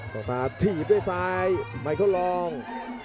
ต้องตาถีบด้วยซ้ายไม่เค้าลอง